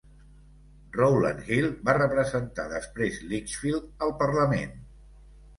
Rowland Hill va representar després Lichfield al Parlament.